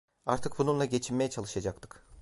Artık bununla geçinmeye çalışacaktık.